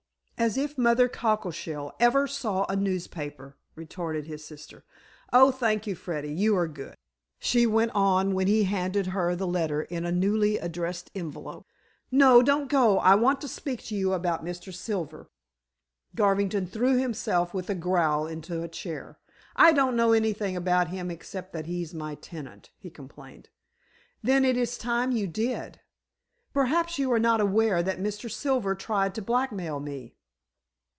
"As if Mother Cockleshell ever saw a newspaper," retorted his sister. "Oh, thank you, Freddy, you are good," she went on when he handed her the letter in a newly addressed envelope; "no, don't go, I want to speak to you about Mr. Silver." Garvington threw himself with a growl into a chair. "I don't know anything about him except that he's my tenant," he complained. "Then it is time you did. Perhaps you are not aware that Mr. Silver tried to blackmail me."